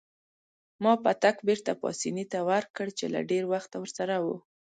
ما پتک بیرته پاسیني ته ورکړ چې له ډیر وخته ورسره وو.